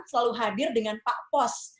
selalu hadir dengan pak pos